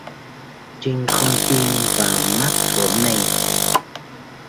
Trinh không tin vào mắt của mình